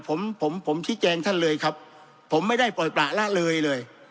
ผมผมผมที่แจงท่านเลยครับผมไม่ได้ปล่าละเลยเลย